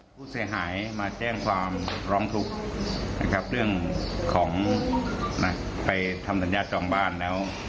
ผู้เสียหายมาแจ้งความร้องทุกข์นะครับเรื่องของไปทำสัญญาจองบ้านแล้ว